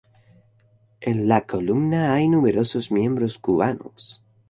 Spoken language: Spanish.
En la columna hay numerosos miembros cubanos.